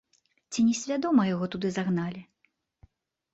Ці не свядома яго туды загналі?